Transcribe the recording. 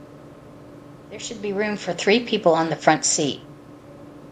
There should be room for three people on the front seat.